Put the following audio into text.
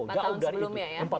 empat tahun sebelumnya ya